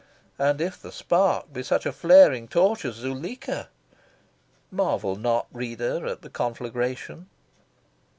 And if the spark be such a flaring torch as Zuleika? marvel not, reader, at the conflagration.